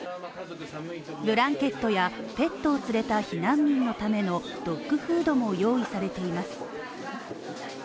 ブランケットやペットを連れた避難民のためのドッグフードも用意されています。